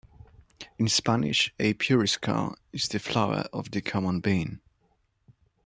In Spanish, a "puriscal" is the flower of the common bean.